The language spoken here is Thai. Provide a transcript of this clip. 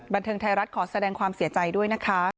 บันเทิงไทยรัฐขอแสดงความเสียใจด้วยนะคะ